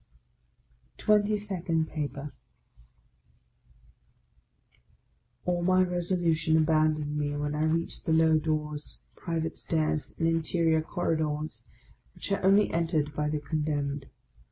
TWENTY SECOND PAPER ALL my resolution abandoned me when I reached the low doors, private stairs, and interior corridors, which are only entered by the condemned.